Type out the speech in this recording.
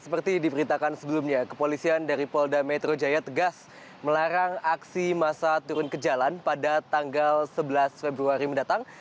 seperti diberitakan sebelumnya kepolisian dari polda metro jaya tegas melarang aksi masa turun ke jalan pada tanggal sebelas februari mendatang